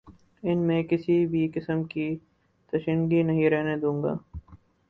ان میں کسی بھی قسم کی تشنگی نہیں رہنے دوں گا